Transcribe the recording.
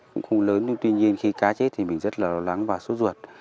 cũng không lớn nhưng tuy nhiên khi cá chết thì mình rất là lo lắng và sốt ruột